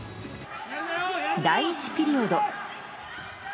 第１ピリオド。